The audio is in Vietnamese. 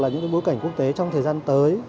những bối cảnh quốc tế trong thời gian tới